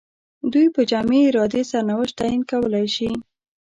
دوی په جمعي ارادې سرنوشت تعیین کولای شي.